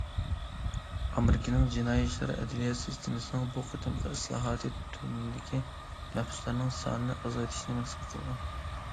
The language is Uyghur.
ئامېرىكىنىڭ جىنايى ئىشلار ئەدلىيە سىستېمىسىنىڭ بۇ قېتىمقى ئىسلاھاتى تۈرمىدىكى مەھبۇسلارنىڭ سانىنى ئازايتىشنى مەقسەت قىلغان.